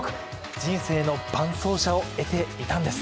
人生の伴走者を得ていたんです。